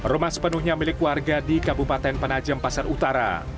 rumah sepenuhnya milik warga di kabupaten penajem pasar utara